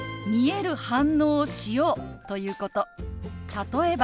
例えば。